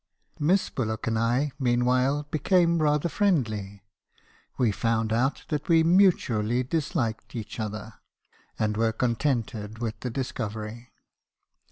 "Miss Bullock and I, meanwhile, became rather friendly. We found out that we mutually disliked each other; and were contented with the discovery.